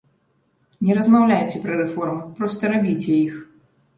Не размаўляйце пра рэформы, проста рабіце іх.